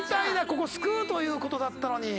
ここを救うという事だったのに。